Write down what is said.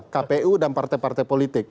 kpu dan partai partai politik